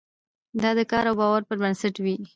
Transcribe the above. دا د فکر او باور پر بنسټ وي.